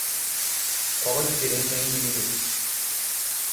Qual a diferença em milímetros?